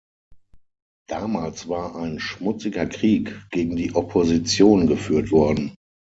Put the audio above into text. Damals war ein "Schmutziger Krieg" gegen die Opposition geführt worden.